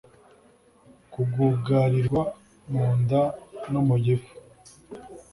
kugugarirwa mu nda no mugifu